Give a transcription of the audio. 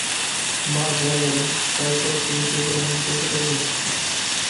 মা যা বলে তাই করে তুমি কি এগুলো মেনে চলতে পারবে?